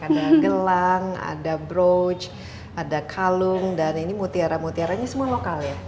ada gelang ada brooch ada kalung dan ini mutiara mutiara nya semua lokal ya